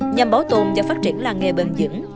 nhằm bảo tồn và phát triển làng nghề bền dững